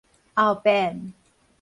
後遍